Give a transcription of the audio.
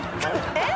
えっ？